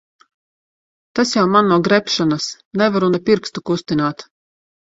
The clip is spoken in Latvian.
Tas jau man no grebšanas. Nevaru ne pirkstu kustināt.